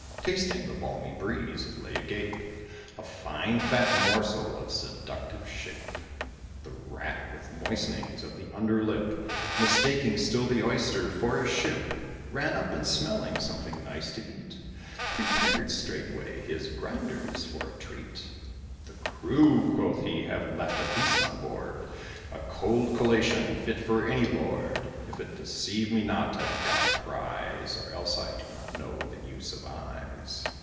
Tasting the balmy breeze, it lay agape, A fine fat morsel of seductive shape. The Rat, with moistenings of the under lip (Mistaking still the Oyster for a ship), Ran up, and, smelling something nice to eat, Prepared, straightway, his grinders for a treat. "The crew," quoth he, "have left a feast on board, A cold collation, fit for any lord; If it deceive me not, I've got a prize, Or else I do not know the use of eyes."